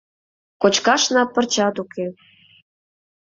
Кочкашна пырчат уке...